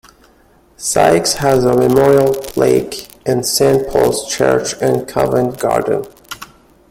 Sykes has a memorial plaque in Saint Paul's Church in Covent Garden.